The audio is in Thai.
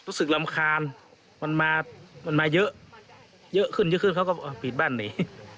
ขึ้นเขาก็ผิดบ้านหนี